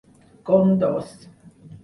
Con dos...